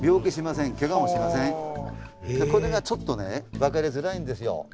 これがちょっとね分かりづらいんですよ。